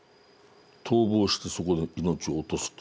逃亡してそこで命を落とすと。